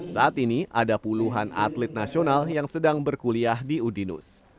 saat ini ada puluhan atlet nasional yang sedang berkuliah di udinus